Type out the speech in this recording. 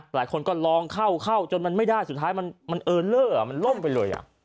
หลายคนก็ลองเข้าจนมันไม่ได้สุดท้ายมันเออเลอร์มันล่มไปเลย